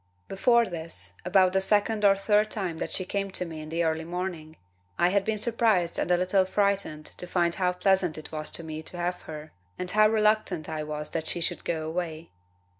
"Before this, about the second or third time that she came to me in the early morning, I had been surprised and a little frightened to find how pleasant it was to me to have her, and how reluctant I was that she should go away.